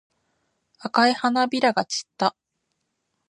赤い花びらが散った。